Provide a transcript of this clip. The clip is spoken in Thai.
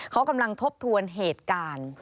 เขากำลังทบทวนเหตุการณ์